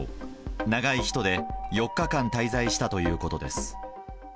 長い人で４日間滞在したということです。